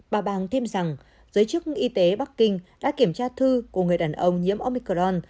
bà bang thêm rằng giới chức y tế bắc kinh đã kiểm tra thư của người đàn ông nhiễm omicron